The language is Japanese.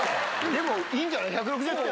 でもいいんじゃない１６０点。